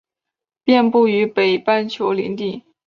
遍布于北半球林地。